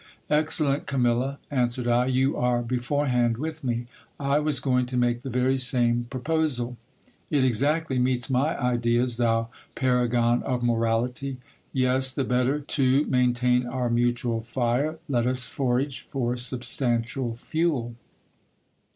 Excellent Camilla, an swered I, you are beforehand with me. I was going to make the very same proposal. It exactly meets my ideas, thou paragon of morality. Yes ; the better to maintain our mutual fire, let us forage for substantial fuel.